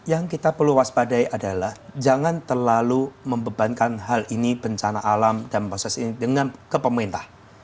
yang kita perlu waspadai adalah jangan terlalu membebankan hal ini bencana alam dan proses ini dengan ke pemerintah